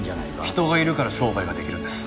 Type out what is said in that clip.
人がいるから商売ができるんです。